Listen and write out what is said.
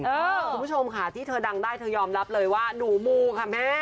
คุณผู้ชมค่ะที่เธอดังได้เธอยอมรับเลยว่าหนูมูค่ะแม่